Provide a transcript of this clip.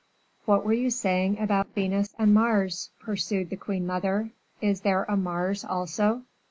"What were you saying about Venus and Mars?" pursued the queen mother. "Is there a Mars also?"